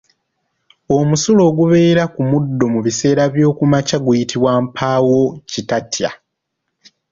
Omusulo ogubeera ku muddo mu biseera by'okumakya guyitibwa Mpaawokitatya.